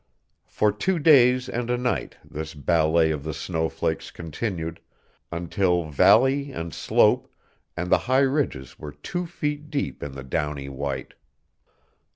For two days and a night this ballet of the snowflakes continued, until valley and slope and the high ridges were two feet deep in the downy white.